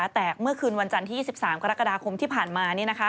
แต่เมื่อคืนวันจันทร์ที่๒๓กรกฎาคมที่ผ่านมา